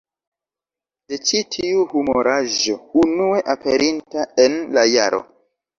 De ĉi tiu humoraĵo, unue aperinta en la jaro